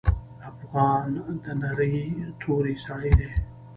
افغان د نرۍ توري سړی دی.